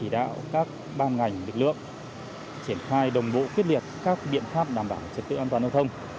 chỉ đạo các ban ngành lực lượng triển khai đồng bộ quyết liệt các biện pháp đảm bảo trật tự an toàn giao thông